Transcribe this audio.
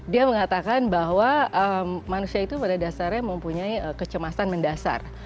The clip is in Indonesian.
dia mengatakan bahwa manusia itu pada dasarnya mempunyai kecemasan mendasar